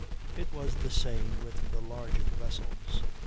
It was the same with the larger vessels.